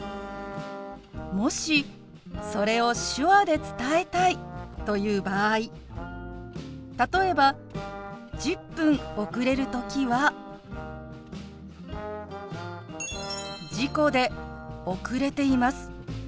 もしそれを手話で伝えたいという場合例えば１０分遅れる時は「事故で遅れています。